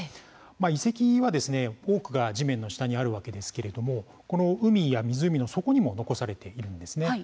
遺跡は多くが地面の下にあるわけですけれども海や湖の底にも残されているんですね。